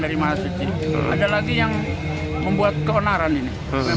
ada lagi yang membuat keonaran ini